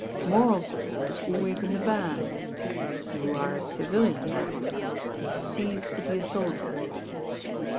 "Moral support is always in the van. You are a drilian now. You have ceased to be a soldier."